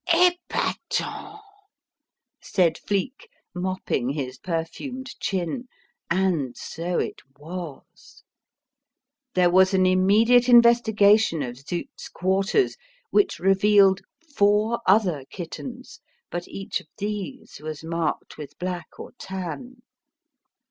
"Epatant!" said Flique, mopping his perfumed chin. And so it was. There was an immediate investigation of Zut's quarters, which revealed four other kittens, but each of these was marked with black or tan.